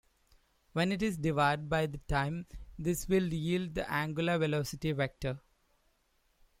When it is divided by the time, this will yield the angular velocity vector.